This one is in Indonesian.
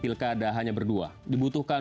pilkada hanya berdua dibutuhkan